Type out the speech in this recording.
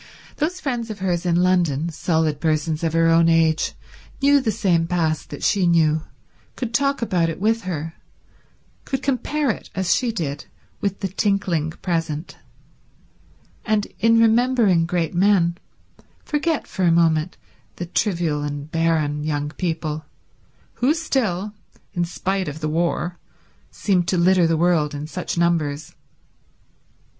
Those friends of hers in London, solid persons of her own age, knew the same past that she knew, could talk about it with her, could compare it as she did with the tinkling present, and in remembering great men forget for a moment the trivial and barren young people who still, in spite of the war, seemed to litter the world in such numbers.